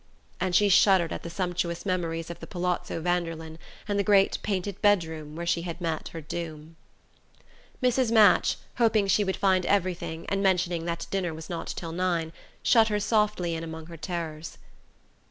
And she shuddered at the sumptuous memories of the Palazzo Vanderlyn, and the great painted bedroom where she had met her doom. Mrs. Match, hoping she would find everything, and mentioning that dinner was not till nine, shut her softly in among her terrors.